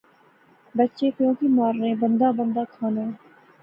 بچے پیو کی مارنے۔۔۔ بندہ بندہ کھانا